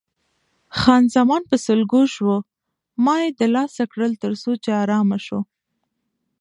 خان زمان په سلګو شوه، ما یې دلاسا کړل څو چې آرامه شوه.